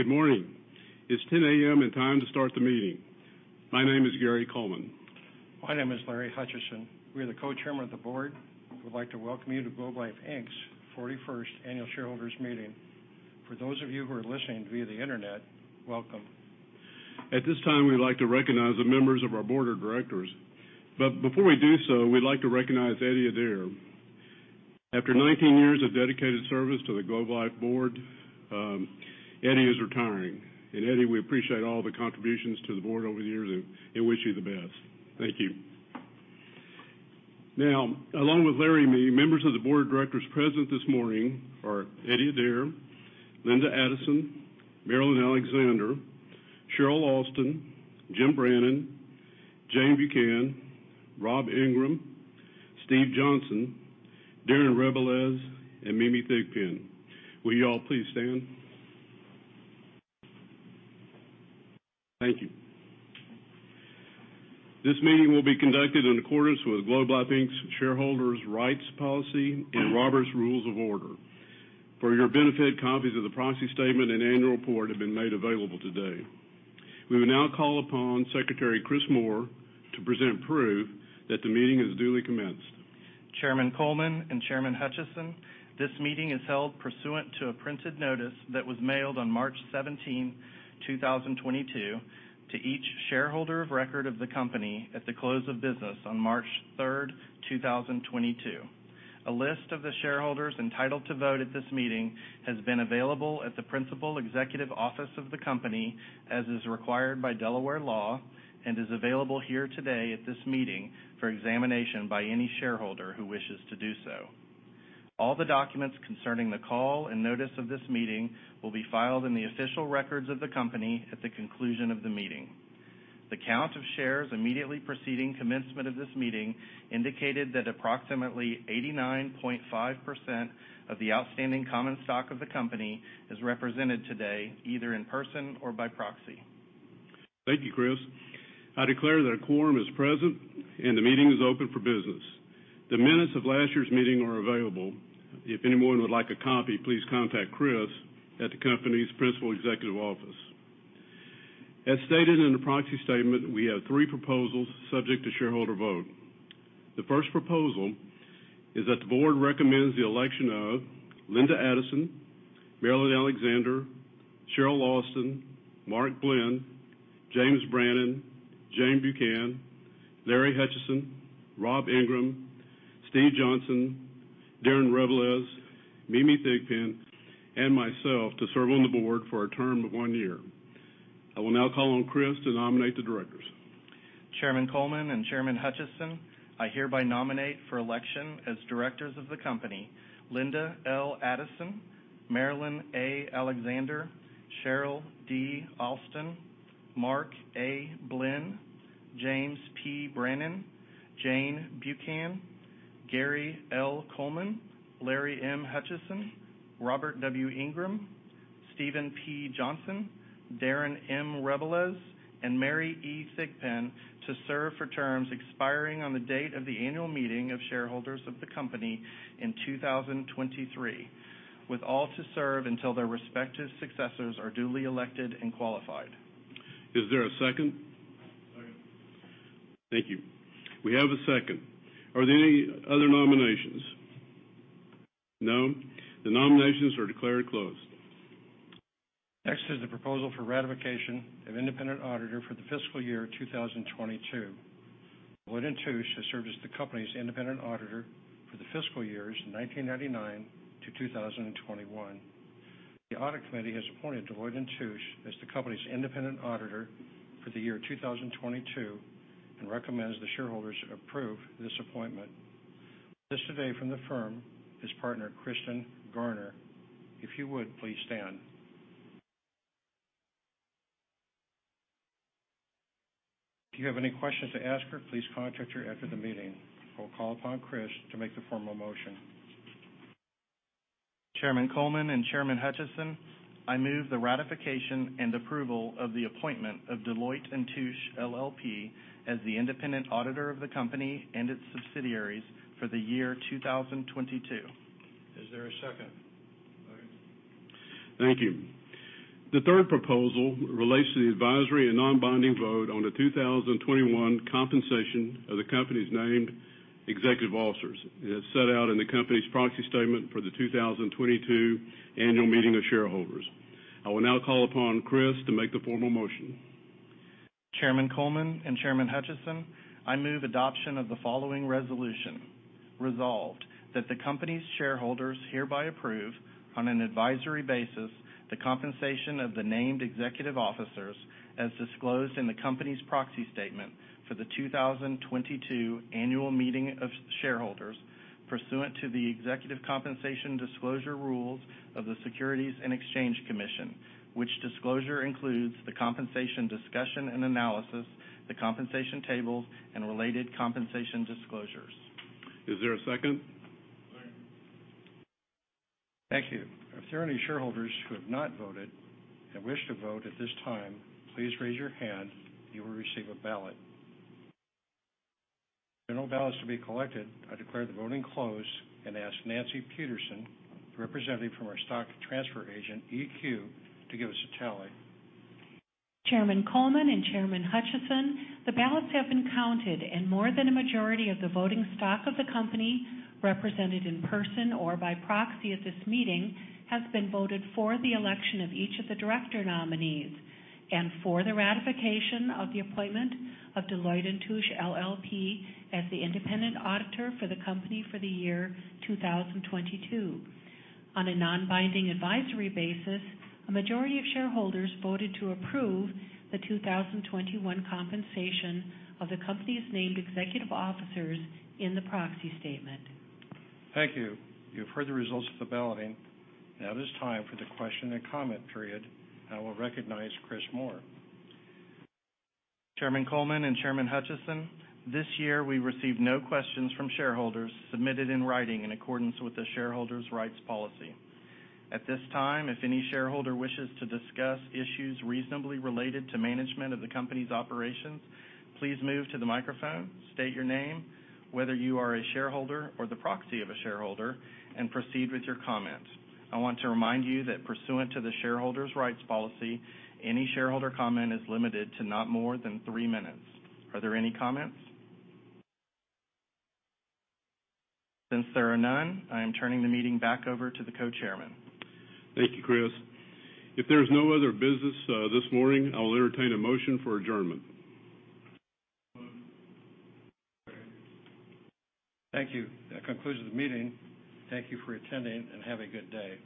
Good morning. It's 10:00 A.M. and time to start the meeting. My name is Gary Coleman. My name is Larry Hutchison. We are the co-chairmen of the board and would like to welcome you to Globe Life Inc.'s 41st annual shareholders meeting. For those of you who are listening via the internet, welcome. At this time, we'd like to recognize the members of our board of directors. Before we do so, we'd like to recognize Eddie Adair. After 19 years of dedicated service to the Globe Life board, Eddie is retiring. Eddie, we appreciate all the contributions to the board over the years and wish you the best. Thank you. Along with Larry and me, members of the board of directors present this morning are Eddie Adair, Linda Addison, Marilyn Alexander, Cheryl Alston, Jim Brannen, Jane Buchan, Rob Ingram, Steve Johnson, Darren Rebelez, and Mimi Thigpen. Will you all please stand? Thank you. This meeting will be conducted in accordance with Globe Life Inc.'s Shareholders' Rights Policy and Robert's Rules of Order. For your benefit, copies of the proxy statement and annual report have been made available today. We will now call upon Secretary Chris Moore to present proof that the meeting is duly commenced. Chairman Coleman and Chairman Hutchison, this meeting is held pursuant to a printed notice that was mailed on March 17, 2022, to each shareholder of record of the company at the close of business on March 3rd, 2022. A list of the shareholders entitled to vote at this meeting has been available at the principal executive office of the company, as is required by Delaware law, and is available here today at this meeting for examination by any shareholder who wishes to do so. All the documents concerning the call and notice of this meeting will be filed in the official records of the company at the conclusion of the meeting. The count of shares immediately preceding commencement of this meeting indicated that approximately 89.5% of the outstanding common stock of the company is represented today, either in person or by proxy. Thank you, Chris. I declare that a quorum is present, and the meeting is open for business. The minutes of last year's meeting are available. If anyone would like a copy, please contact Chris at the company's principal executive office. As stated in the proxy statement, we have three proposals subject to shareholder vote. The first proposal is that the board recommends the election of Linda Addison, Marilyn Alexander, Cheryl Alston, Mark Blinn, James Brannen, Jane Buchan, Larry Hutchison, Rob Ingram, Steve Johnson, Darren Rebelez, Mimi Thigpen, and myself to serve on the board for a term of one year. I will now call on Chris to nominate the directors. Chairman Coleman and Chairman Hutchison, I hereby nominate for election as directors of the company, Linda L. Addison, Marilyn A. Alexander, Cheryl D. Alston, Mark A. Blinn, James P. Brannen, Jane Buchan, Gary L. Coleman, Larry M. Hutchison, Robert W. Ingram, Steven P. Johnson, Darren M. Rebelez, and Mary E. Thigpen to serve for terms expiring on the date of the annual meeting of shareholders of the company in 2023, with all to serve until their respective successors are duly elected and qualified. Is there a second? Second. Thank you. We have a second. Are there any other nominations? No? The nominations are declared closed. Next is the proposal for ratification of independent auditor for the fiscal year 2022. Deloitte & Touche has served as the company's independent auditor for the fiscal years 1999 to 2021. The Audit Committee has appointed Deloitte & Touche as the company's independent auditor for the year 2022 and recommends the shareholders approve this appointment. With us today from the firm is Partner Christian Garner. If you would, please stand. If you have any questions to ask her, please contact her after the meeting. I will call upon Chris to make the formal motion. Chairman Coleman and Chairman Hutchison, I move the ratification and approval of the appointment of Deloitte & Touche LLP as the independent auditor of the company and its subsidiaries for the year 2022. Is there a second? Second. Thank you. The third proposal relates to the advisory and non-binding vote on the 2021 compensation of the company's named executive officers. It is set out in the company's proxy statement for the 2022 annual meeting of shareholders. I will now call upon Chris to make the formal motion. Chairman Coleman and Chairman Hutchison, I move adoption of the following resolution. Resolved, that the company's shareholders hereby approve, on an advisory basis, the compensation of the named executive officers as disclosed in the company's proxy statement for the 2022 annual meeting of shareholders pursuant to the executive compensation disclosure rules of the Securities and Exchange Commission, which disclosure includes the compensation discussion and analysis, the compensation tables, and related compensation disclosures. Is there a second? Second. Thank you. If there are any shareholders who have not voted and wish to vote at this time, please raise your hand. You will receive a ballot. If there are no ballots to be collected, I declare the voting closed and ask Nancy Peterson, representative from our stock transfer agent, EQ, to give us a tally. Chairman Coleman and Chairman Hutchison, the ballots have been counted, and more than a majority of the voting stock of the company represented in person or by proxy at this meeting has been voted for the election of each of the director nominees and for the ratification of the appointment of Deloitte & Touche LLP as the independent auditor for the company for the year 2022. On a non-binding advisory basis, a majority of shareholders voted to approve the 2021 compensation of the company's named executive officers in the proxy statement. Thank you. You have heard the results of the balloting. Now it is time for the question and comment period. I will recognize Chris Moore. Chairman Coleman and Chairman Hutchison, this year we received no questions from shareholders submitted in writing in accordance with the Shareholders' Rights Policy. At this time, if any shareholder wishes to discuss issues reasonably related to management of the company's operations, please move to the microphone, state your name, whether you are a shareholder or the proxy of a shareholder, and proceed with your comment. I want to remind you that pursuant to the Shareholders' Rights Policy, any shareholder comment is limited to not more than three minutes. Are there any comments? Since there are none, I am turning the meeting back over to the co-chairmen. Thank you, Chris. If there is no other business this morning, I will entertain a motion for adjournment. Moved. Thank you. That concludes the meeting. Thank you for attending, and have a good day.